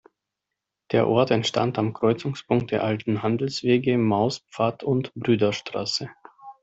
Der Ort entstand am Kreuzungspunkt der alten Handelswege Mauspfad und Brüderstraße.